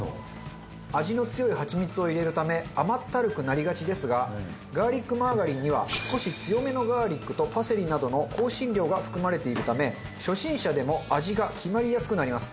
味の強いハチミツを入れるため甘ったるくなりがちですがガーリックマーガリンには少し強めのガーリックとパセリなどの香辛料が含まれているため初心者でも味が決まりやすくなります。